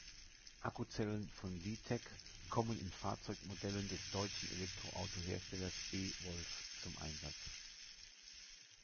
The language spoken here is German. Akkuzellen von Li-Tec kommen in Fahrzeugmodellen des deutschen Elektroauto-Herstellers e-Wolf zum Einsatz.